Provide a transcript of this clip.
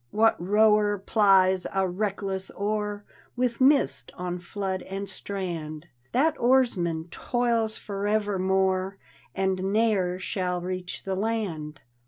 What rower plies a reckless oar With mist on flood and strand? That Oarsman toils forevermore And ne'er shall reach the land.